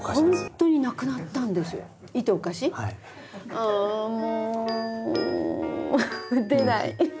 ああもう出ない。